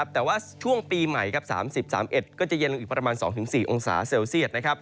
แต่ว่าช่วงปีใหม่๓๐๓๑ก็จะเย็นลงอีกประมาณ๒๔องศาเซลเซียต